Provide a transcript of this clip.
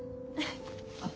あっ。